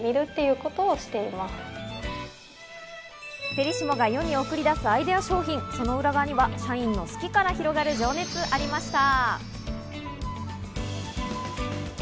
フェリシモが世に送り出すアイデア商品、その裏側には社員の好きから広がる情熱がありました。